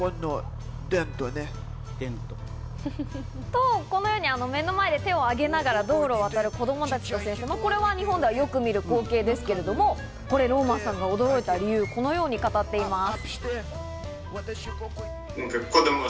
と、このように目の前に手を挙げながら道路を渡った子供たち、日本ではよく見る光景ですけれども、これ、ローマンさんが驚いた理由をこのように語っています。